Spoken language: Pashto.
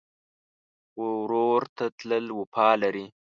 ورور ته تل وفا لرې.